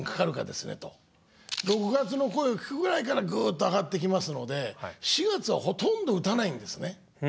６月の声を聞くぐらいからグッと上がってきますので４月はほとんど打たないんですね。